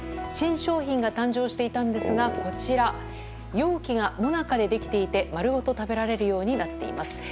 新商品が誕生していたんですがこちら、容器がもなかでできていて丸ごと食べられるようになっています。